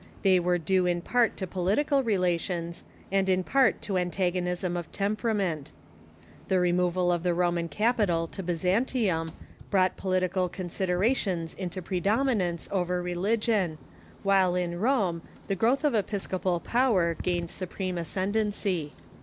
They were due in jiart to political relations, and in part to antagonism of temperament. The re Differences "^o"^'^^ ^f ^^16 Roman capital to Byzantium brought political considerations into predominance over re ligion, while in Rome the growth of episcopal power gained supreme ascendency.